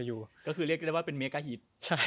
อยู่ก็คือเรียกได้ว่าเป็นเมกาฮิต